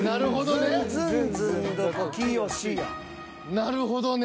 なるほどね。